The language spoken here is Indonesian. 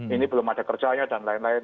ini belum ada kerjanya dan lain lain